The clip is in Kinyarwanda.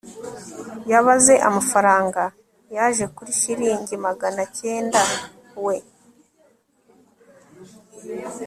yabaze amafaranga; yaje kuri shilingi magana cyenda. we